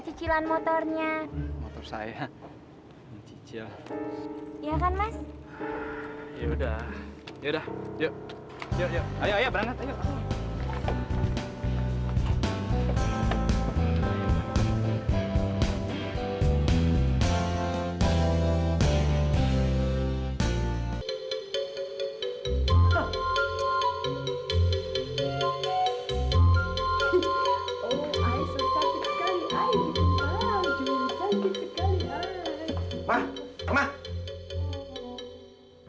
cecilan motornya motor saya ya kan mas ya udah ya udah yuk yuk yuk yuk ayo ayo banget ayo aku mau